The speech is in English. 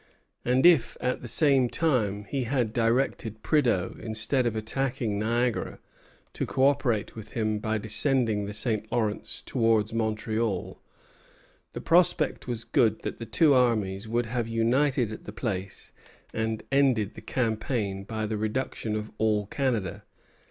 And if, at the same time, he had directed Prideaux, instead of attacking Niagara, to co operate with him by descending the St. Lawrence towards Montreal, the prospect was good that the two armies would have united at the place, and ended the campaign by the reduction of all Canada.